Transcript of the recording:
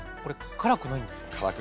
辛くないんですね。